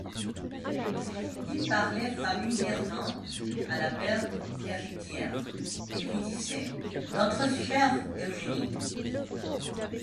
Il parlait familièrement à la belle héritière, et lui disait: Notre chère Eugénie!